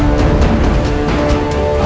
dewa temen aku